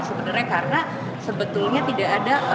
sebenarnya karena sebetulnya tidak ada